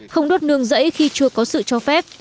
không đốt nương rẫy khi chưa có sự cho phép